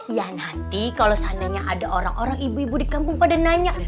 ya nanti kalau seandainya ada orang orang ibu ibu di kampung pada nanya